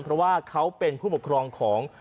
เพราะว่าเขาเป็นผู้ปกครองของ